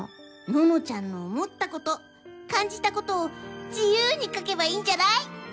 ののちゃんの思ったことかんじたことをじゆうに書けばいいんじゃない？